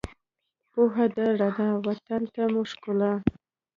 پوهنه ده رڼا، وطن ته مو ښکلا